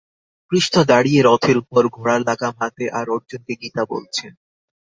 কৃষ্ণ দাঁড়িয়ে রথের উপর, ঘোড়ার লাগাম হাতে আর অর্জুনকে গীতা বলছেন।